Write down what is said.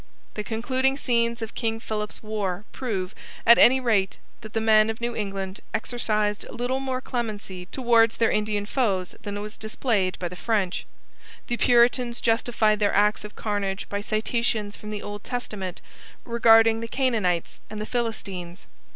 The concluding scenes of King Philip's War prove, at any rate, that the men of New England exercised little more clemency towards their Indian foes than was displayed by the French. The Puritans justified their acts of carnage by citations from the Old Testament regarding the Canaanites and the Philistines.